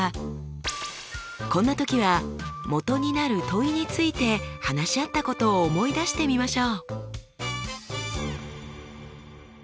こんな時は元になる問いについて話し合ったことを思い出してみましょう。